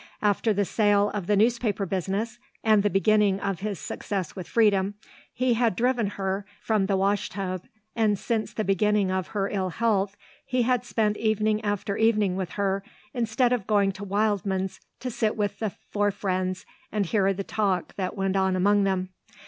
After the sale of the newspaper business and the beginning of his success with Freedom he had driven her from the washtub and since the beginning of her ill health he had spent evening after evening with her instead of going to Wildman's to sit with the four friends and hear the talk that went on among them.